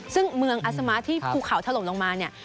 ซึ่งเมืองอัสมะที่ภูเขาถล่มลงมาเนี่ย